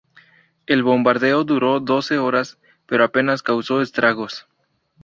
El bombardeo duró doce horas, pero apenas causó estragos.